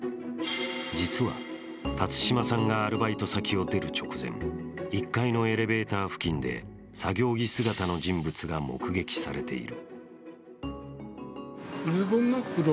実は辰島さんがアルバイト先を出る直前、１階のエレベーター付近で作業着姿の人物が目撃されている。